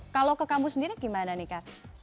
kalau ke kamu sendiri gimana nih kak